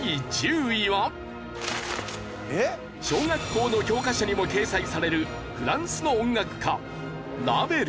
小学校の教科書にも掲載されるフランスの音楽家ラヴェル。